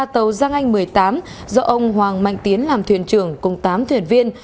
tàu giang anh một mươi tám do ông hoàng mạnh tiến làm thuyền trưởng cùng tám thuyền viên